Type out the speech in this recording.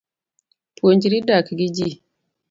Puonjri dak gi jii